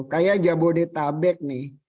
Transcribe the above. kayak jabodetabek nih